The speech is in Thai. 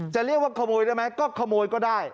จะเรียกว่าขโมยได้ไหมก็ขโมยก็ได้